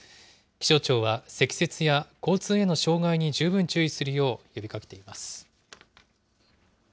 気象庁は積雪や交通への障害に十分注意するよう呼びかけています。